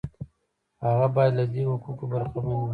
هغه باید له دې حقوقو برخمن وي.